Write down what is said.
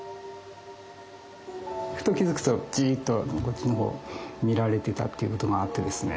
ふと気付くとじっとこっちの方を見られてたっていうことがあってですね